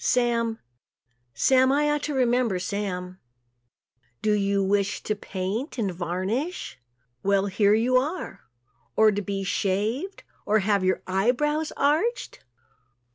Sam, Sam I ought to remember Sam. Do you wish to paint and varnish? Well, here you are. Or to be shaved or have your eye brows arched?